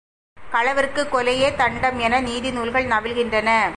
களவிற்குக் கொலையே தண்டம் என நீதி நூல்கள் நவில்கின்றன.